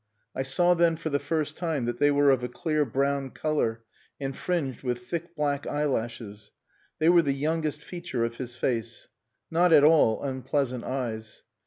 I saw then for the first time that they were of a clear brown colour and fringed with thick black eyelashes. They were the youngest feature of his face. Not at all unpleasant eyes.